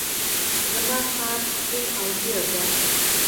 زما ساعت سپين او ژړ دی.